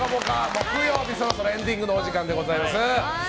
木曜日そろそろエンディングのお時間でございます。